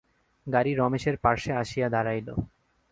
গাড়ি রমেশের পার্শ্বে আসিয়া দাঁড়াইল।